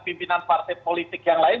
pimpinan partai politik yang lain